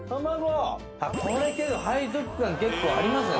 これけど背徳感結構ありますね。